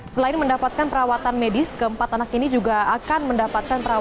selain mendapatkan perawatan medis keempat anak ini juga akan mendapatkan perawatan